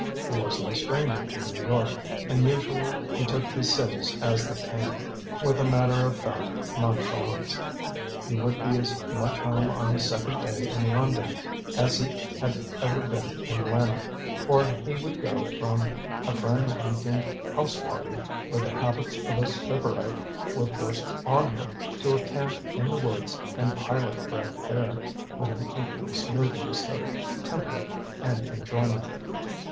He was no stranger to New York, and usually he took his cities as they came, with a matter of fact nonchalance. He would be as much at home on his second day in London as he had ever been in Lynn; or he would go from a friend's week end house party, where the habits of a Sybarite were forced on him, to a camp in the woods and pilot bread fare, with an equal smoothness of temper and enjoyment.